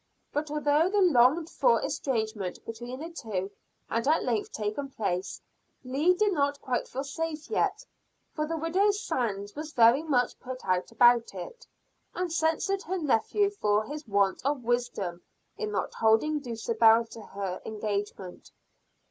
But although the longed for estrangement between the two had at length taken place, Leah did not feel quite safe yet; for the Widow Sands was very much put out about it, and censured her nephew for his want of wisdom in not holding Dulcibel to her engagement.